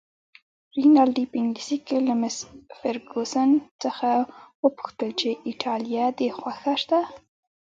رینالډي په انګلیسي کې له مس فرګوسن څخه وپوښتل چې ایټالیه دې خوښه ده؟